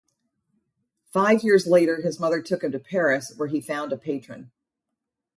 Five years later his mother took him to Paris, where he found a patron.